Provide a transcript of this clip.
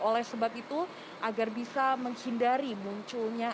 oleh sebab itu agar bisa menghindari munculnya